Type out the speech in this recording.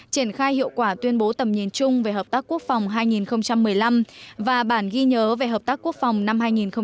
triển khai hiệu quả tuyên bố tầm nhìn chung về hợp tác quốc phòng hai nghìn một mươi năm và bản ghi nhớ về hợp tác quốc phòng năm hai nghìn một mươi chín